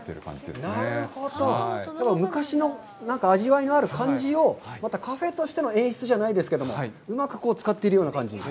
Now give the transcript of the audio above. でも昔の味わいのある感じを、また、カフェとしての演出じゃないですけども、うまく使っている感じで。